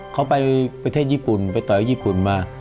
เขาไปประเทศญี่ปุ่นไปต่อยญี่ปุ่นมา